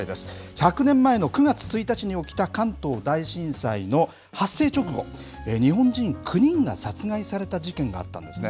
１００年前の９月１日に起きた関東大震災の発生直後、日本人９人が殺害された事件があったんですね。